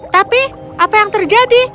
tapi apa yang terjadi